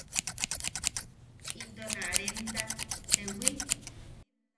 Into na remta ¿jewi?